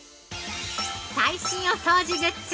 ◆最新お掃除グッズ